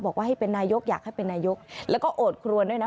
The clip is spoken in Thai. บอกว่าให้เป็นนายกอยากให้เป็นนายกแล้วก็โอดครวนด้วยนะ